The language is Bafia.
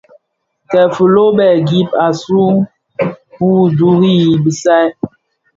Kè filo bè gib a su wuduri i bisal.